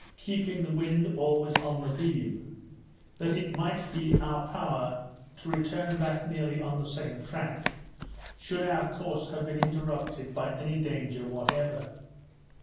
keeping the wind always on the beam, that it might be in our power to return back nearly on the same track, should our course have been interrupted by any danger whatever.